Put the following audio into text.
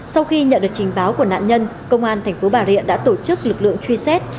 sau khi nhận được trình báo của nạn nhân công an thành phố bà rịa đã tổ chức lực lượng truy xét